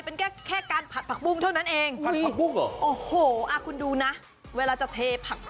เป็นแค่การผัดผักมุ้งเท่านั้นเอง